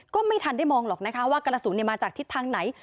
ก็ไม่ทันได้มองหรอกนะคะว่ากระสุนมาจากทิศทางไหน